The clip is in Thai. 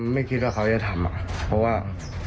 ไม่คิดว่าเขาจะทำเพราะว่า